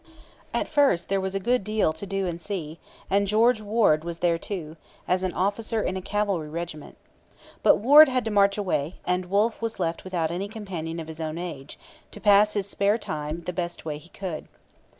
At first there was a good deal to do and see; and George Warde was there too, as an officer in a cavalry regiment. But Warde had to march away; and Wolfe was left without any companion of his own age, to pass his spare time the best way he could.